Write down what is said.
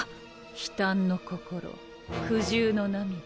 悲嘆の心苦渋の涙。